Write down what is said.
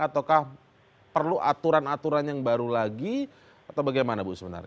ataukah perlu aturan aturan yang baru lagi atau bagaimana bu sebenarnya